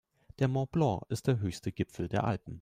Der Mont Blanc ist der höchste Gipfel der Alpen.